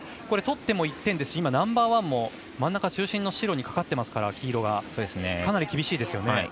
これで取っても１点ですし今、ナンバーワンも真ん中、中心の白にかかっていますからかなり厳しいですよね。